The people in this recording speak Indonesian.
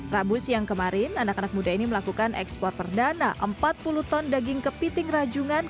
rabu siang kemarin anak anak muda ini melakukan ekspor perdana empat puluh ton daging kepiting rajungan